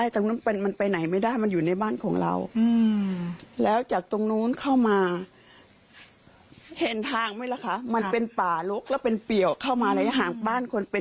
จริงหรือ